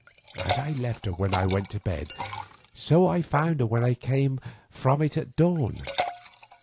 As I left her when I went to my bed, so I found her when I came from it at dawn.